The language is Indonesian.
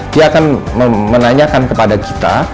dia akan menanyakan kepada kita